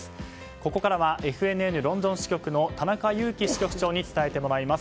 ここからはＦＮＮロンドン支局の田中雄気支局長に伝えてもらいます。